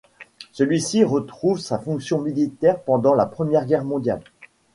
Celui-ci retrouve sa fonction militaire pendant la Première Guerre mondiale.